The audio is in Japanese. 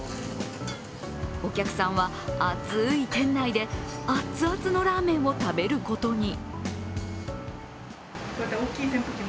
お客さんは暑い店内で熱々のラーメンを食べることに。